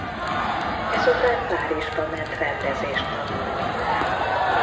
Ezután Párizsba ment rendezést tanulni.